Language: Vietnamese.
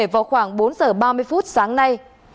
vào khoảng bốn h ba mươi phút sáng nay